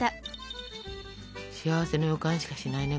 幸せの予感しかしないね